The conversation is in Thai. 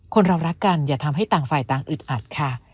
คนเรารักกันอย่าทำให้ต่างฝ่ายต่างอึดอัดค่ะ